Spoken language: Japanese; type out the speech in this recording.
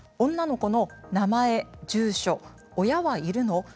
女の子の名前、住所親はいるの？